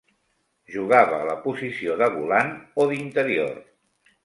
Jugava a la posició de volant o d'interior.